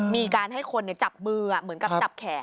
มีการให้คนจับมือเหมือนกับจับแขน